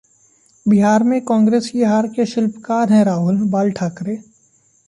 बिहार में कांग्रेस की हार के शिल्पकार हैं राहुलः बाल ठाकरे